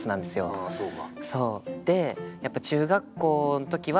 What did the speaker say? ああそうか。